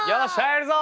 やるぞ！